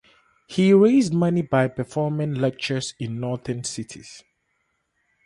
He raised money by performing lectures in northern cities.